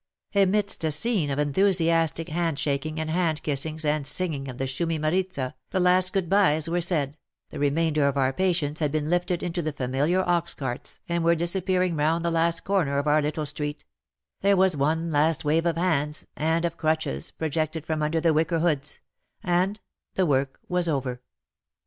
Amidst a scene of enthusiastic hand shaking and hand kissings and singing of the Shumi Maritza, the last good byes were said, the remainder of our patients had been WAR AND WOMEN 195 lifted into the familiar ox carts and were dis appearing round the last corner of our little street — there was one last wave of hands, and of crutches projected from under the wicker hoods, and — the work was over.